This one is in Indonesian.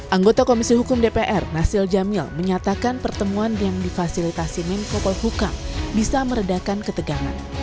anggota komisi hukum dpr nasil jamil menyatakan pertemuan yang difasilitasi menko polhukam bisa meredakan ketegangan